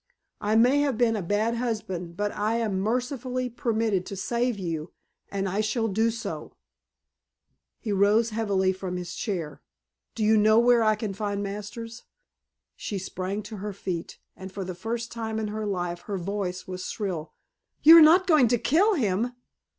I may have been a bad husband but I am mercifully permitted to save you, and I shall do so." He rose heavily from his chair. "Do you know where I can find Masters?" She sprang to her feet and for the first time in her life her voice was shrill. "You are not going to kill him?"